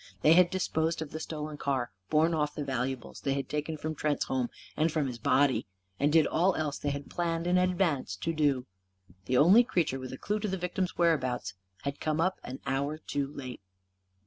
They had disposed of the stolen car, borne off the valuables they had taken from Trent's home and from his body, and did all else they had planned in advance to do. The only creature with a clue to the victim's whereabouts had come up an hour too late.